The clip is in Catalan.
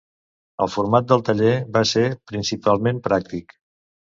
El format del taller va ser principalment pràctic.